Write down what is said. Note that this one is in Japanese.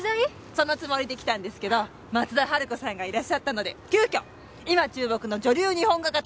そのつもりで来たんですけど松田春子さんがいらっしゃったので急遽「今注目の女流日本画家とサクラソウ」に変更！